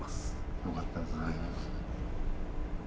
よかったですね。